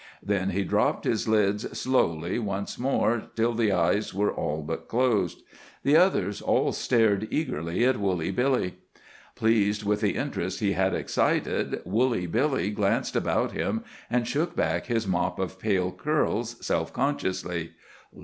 Then he dropped his lids slowly once more till the eyes were all but closed. The others all stared eagerly at Woolly Billy. Pleased with the interest he had excited, Woolly Billy glanced about him, and shook back his mop of pale curls self consciously.